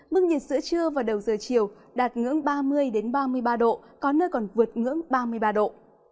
mức nhiệt sữa trưa vào đầu giờ chiều đạt ngưỡng ba mươi đến ba mươi ba độ có nơi còn vượt ngưỡng ba mươi ba độ